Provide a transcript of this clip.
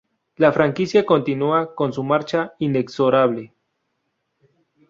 La franquicia continúa con su marcha inexorable".